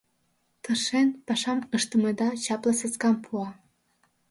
Тыршен пашам ыштымыда чапле саскам пуа.